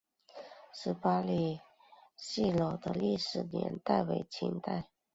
十八里汰戏楼的历史年代为清代。